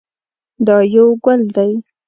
دا یو ګل دی.